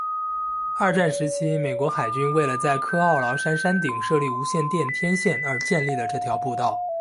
二战时期美国海军为了在科奥劳山山顶设立无线电天线而建立了这条步道。